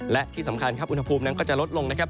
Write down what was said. และที่สำคัญครับอุณหภูมินั้นก็จะลดลงนะครับ